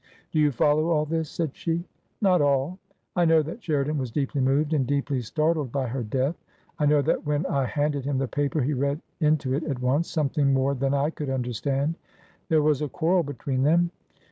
Do you follow all this ?" said she. Not all. I know that Sheridan was deeply moved and deeply startled by her death. I know that when I handed him the paper he read into it at once, something more than I could understand." "There was a quarrel between them?